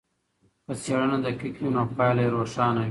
که څېړنه دقیقه وي نو پایله یې روښانه وي.